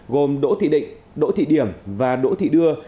gồm đỗ thị định đỗ thị điểm và đỗ thị đưa